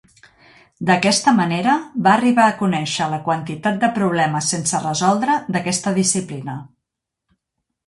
D'aquesta manera va arribar a conèixer la quantitat de problemes sense resoldre d'aquesta disciplina.